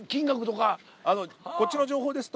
こっちの情報ですと。